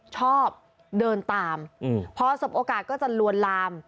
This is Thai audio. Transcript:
ชอบเดินตามพอสบโอกาสก็จะลวนลาม